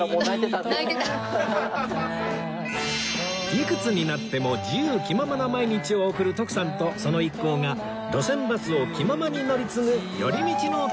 いくつになっても自由気ままな毎日を送る徳さんとその一行が路線バスを気ままに乗り継ぐ寄り道の旅